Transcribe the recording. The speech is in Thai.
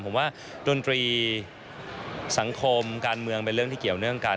ผมว่าดนตรีสังคมการเมืองเป็นเรื่องที่เกี่ยวเนื่องกัน